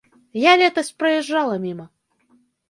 Я летась праязджала міма.